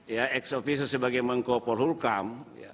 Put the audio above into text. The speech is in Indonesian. ya ex officio sebagai mengkopol hukum